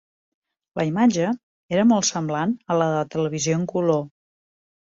La imatge era molt semblant a la de la televisió en color.